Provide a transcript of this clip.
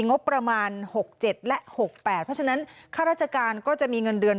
งบประมาณ๖๗และ๖๘เพราะฉะนั้นข้าราชการก็จะมีเงินเดือน